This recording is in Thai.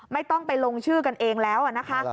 ไม่ต้องไปลงชื่อกันเองแล้วนะคะ